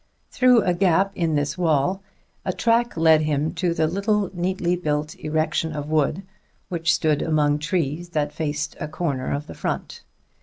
Through a gap in this wall a track led him to the little neatly built erection of wood, which stood among trees that faced a corner of the front.